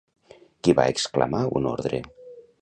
Qui va exclamar un ordre?